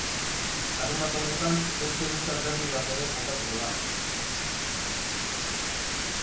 Larunbat honetan beste euskal derbi bat ere jokatuko da.